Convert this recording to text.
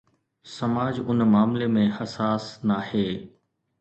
سماج ان معاملي ۾ حساس ناهي.